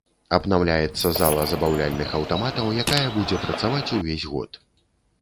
Абнаўляецца зала забаўляльных аўтаматаў, якая будзе працаваць увесь год.